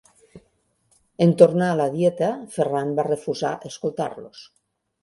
En tornar a la dieta, Ferran va refusar escoltar-los.